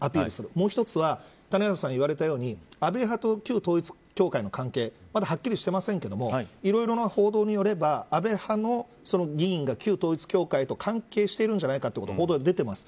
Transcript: もう１つは谷原さんが言われたように安倍派と旧統一教会の関係まだはっきりしていませんがいろいろな報道によれば安倍派の議員が旧統一教会と関係しているんじゃないかと報道で出ています。